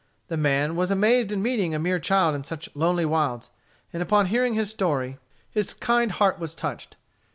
The man was amazed in meeting a mere child in such lonely wilds, and upon hearing his story, his kind heart was touched.